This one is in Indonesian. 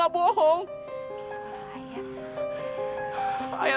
ayah tolong maafin aku dong ayah